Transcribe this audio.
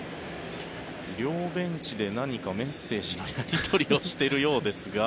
両ベンチで何か、メッセージのやり取りをしているようですが。